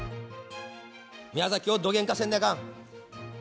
宮崎をどげんかせんといかん。